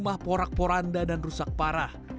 memiliki beberapa rumah porak poranda dan rusak parah